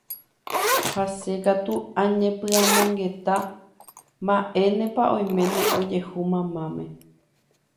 ha che katu añepy'amongeta mba'énepa oime ojehu mamáme